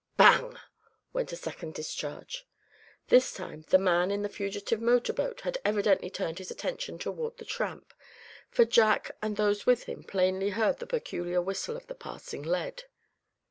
"Bang!" went a second discharge. This time the man in the fugitive motor boat had evidently turned his attention toward the Tramp, for Jack and those with him plainly heard the peculiar whistle of the passing lead.